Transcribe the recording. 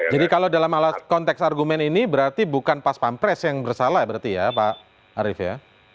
jadi kalau dalam konteks argumen ini berarti bukan pas pampres yang bersalah berarti ya pak arief ya